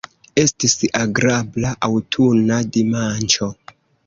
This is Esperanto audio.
Estis agrabla aŭtuna dimanĉo.